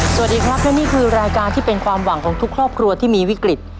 สวัสดีครับและนี่คือรายการที่เป็นความหวังของทุกครอบครัวที่มีวิกฤต